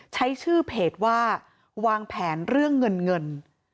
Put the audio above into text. ใช้ชื่อเพจว่าวางแผนเรื่องเงินเงิน